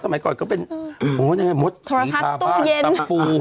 สมัยก่อนก็เป็นโอ้โฮมดสีทาพาดตัมปู